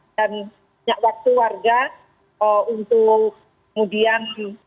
dan banyak waktu warga untuk kemudian